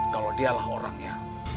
kalau dialah orangnya